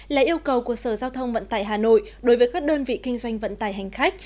là yêu cầu của sở giao thông vận tải hà nội đối với các đơn vị kinh doanh vận tải hành khách